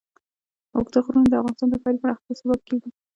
اوږده غرونه د افغانستان د ښاري پراختیا سبب کېږي.